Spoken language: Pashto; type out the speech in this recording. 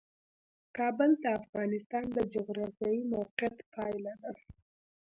کابل د افغانستان د جغرافیایي موقیعت پایله ده.